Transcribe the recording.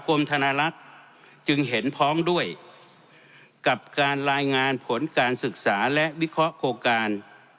ธนลักษณ์จึงเห็นพ้องด้วยกับการรายงานผลการศึกษาและวิเคราะห์โครงการ